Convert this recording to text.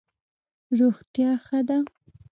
روغتیا ښه ده.